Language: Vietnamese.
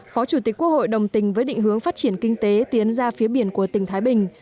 phó chủ tịch quốc hội đồng tình với định hướng phát triển kinh tế tiến ra phía biển của tỉnh thái bình